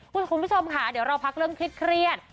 คุณผู้ชมค่ะเดี๋ยวเราพักเรื่องเครียด